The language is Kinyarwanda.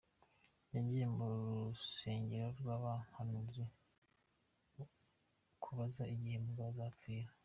"Yagiye mu rusengero rw’abahanuzi kubaza igihe Mugabe azapfira.